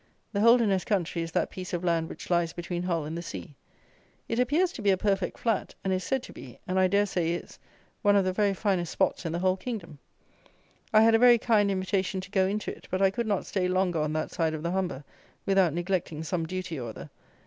The Holderness country is that piece of land which lies between Hull and the sea: it appears to be a perfect flat; and is said to be, and I dare say is, one of the very finest spots in the whole kingdom. I had a very kind invitation to go into it; but I could not stay longer on that side of the Humber without neglecting some duty or other.